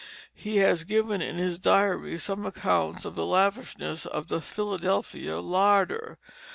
He has given in his diary some accounts of the lavishness of the Philadelphia larder.